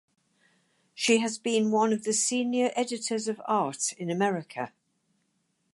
She has been one of the Senior Editors of Art in America.